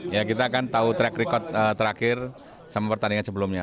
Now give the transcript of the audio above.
ya kita akan tahu track record terakhir sama pertandingan sebelumnya